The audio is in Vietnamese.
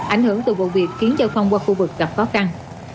ảnh hưởng từ vụ việc khiến châu phong qua khu vực gặp khó khăn